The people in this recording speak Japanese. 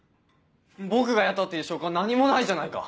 僕がやったっていう証拠は何もないじゃないか！